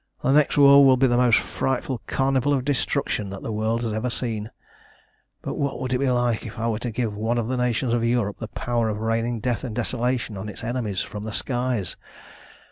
The next war will be the most frightful carnival of destruction that the world has ever seen; but what would it be like if I were to give one of the nations of Europe the power of raining death and desolation on its enemies from the skies!